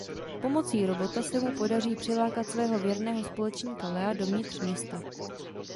Pomocí robota se mu podaří přilákat svého věrného společníka Lea dovnitř města.